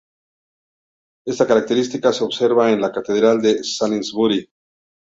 Esta característica se observa en la catedral de Salisbury.